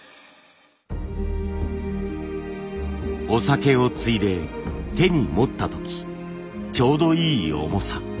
お酒をついで手に持った時ちょうどいい重さ。